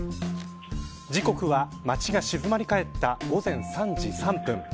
時刻は街が静まり返った午前３時３分。